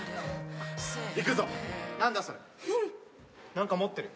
何か持ってる。